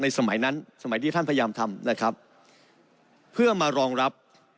สมัยนั้นสมัยที่ท่านพยายามทำนะครับเพื่อมารองรับ